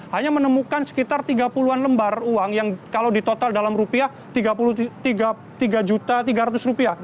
hanya menemukan sekitar tiga puluh an lembar uang yang kalau ditotal dalam rupiah tiga puluh tiga tiga ratus rupiah